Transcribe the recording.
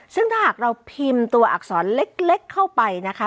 ซึ่งถ้าหากเราพิมพ์ตัวอักษรเล็กเข้าไปนะคะ